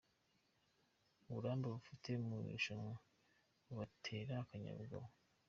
Uburambe bafite mu irushanwa bubatera akanyabugabo.